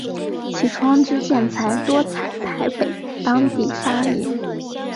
其窗之建材多采台北当地砂岩。